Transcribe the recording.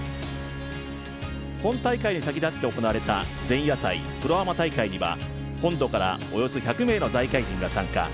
本大会に先立って行なわれた前夜祭、プロアマ大会には本土からおよそ１００名の財界人が参加。